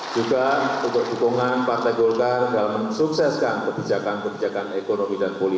juga untuk dukungan partai golkar dalam mensukseskan kebijakan kebijakan ekonomi dan politik